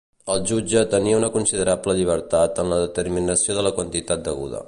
El jutge tenia una considerable llibertat en la determinació de la quantitat deguda.